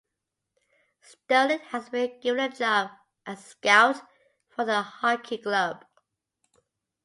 Stirling has been given a job as a scout for the hockey club.